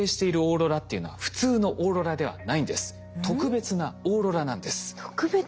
特別なオーロラなんです。